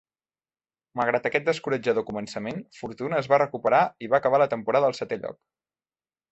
Malgrat aquest descoratjador començament, Fortuna es va recuperar i va acabar la temporada al setè lloc.